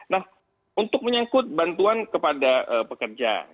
nah untuk menyangkut bantuan kepada pekerja